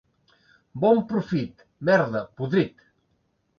Bon profit! —Merda, podrit!